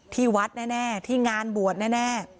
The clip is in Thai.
ที่วัดแน่ที่งานบวชแน่